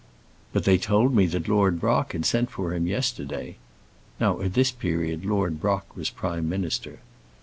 "But they told me that Lord Brock had sent for him yesterday." Now at this period Lord Brock was Prime Minister.